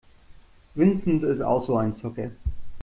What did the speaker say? Vincent ist auch so ein Zocker.